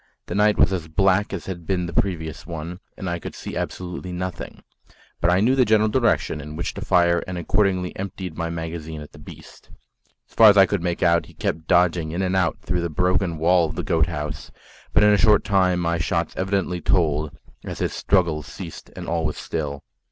The night was as black as had been the previous one, and I could see absolutely nothing; but I knew the general direction in which to fire and accordingly emptied my magazine at the beast. As far as I could make out, he kept dodging in and out through the broken wall of the goat house; but in a short time my shots evidently told, as his struggles ceased and all was still.